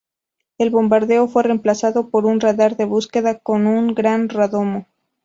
El bombardero fue reemplazado por un radar de búsqueda con un gran radomo.